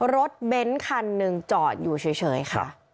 รถเบ้นคันหนึ่งจอดอยู่เฉยค่ะ